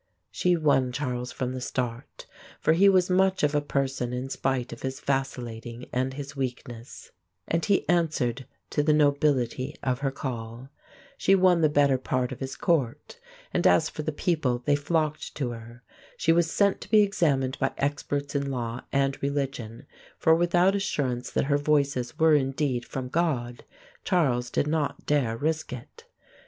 She won Charles from the start, for he was much of a person in spite of his vacillating and his weakness, and he answered to the nobility of her call. She won the better part of his court, and as for the people they flocked to her. She was sent to be examined by experts in law and religion; for without assurance that her Voices were indeed from God Charles did not dare risk it.